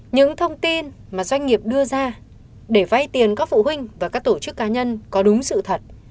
những thông tin mà doanh nghiệp đưa ra để vay tiền các phụ huynh và các tổ chức cá nhân có đúng sự thật